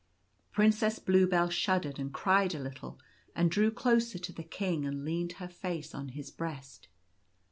Princess Bluebell shuddered and cried a little, and drew closer to the King, and leaned her face on his breast.